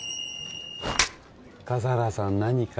笠原さん何か？